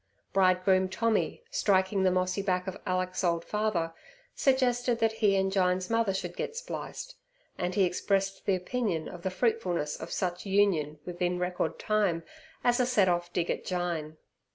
Bridegroom Tommy, striking the mossy back of Alick's old father, suggested that he and Jyne's mother should get spliced, and he expressed the opinion of the fruitfulness of such union within record time as a set off dig at Jyne.